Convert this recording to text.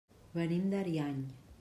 Venim d'Ariany.